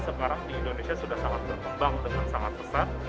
sekarang di indonesia sudah sangat berkembang dengan sangat pesat